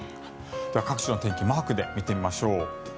各地の天気マークで見てみましょう。